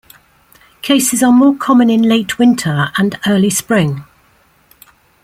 Cases are more common in late winter and early spring.